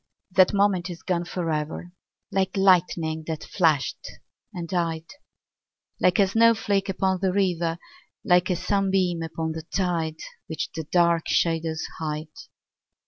_5 2. That moment is gone for ever, Like lightning that flashed and died Like a snowflake upon the river Like a sunbeam upon the tide, Which the dark shadows hide.